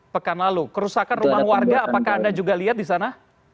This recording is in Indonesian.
pekan lalu kerusakan rumah warga apakah anda juga lihat di sana